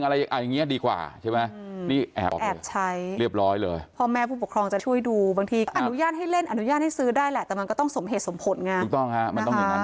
และที่สำคัญนะครับ